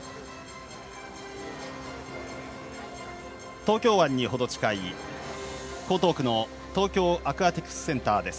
東京湾に程近い、江東区の東京アクアティクスセンターです。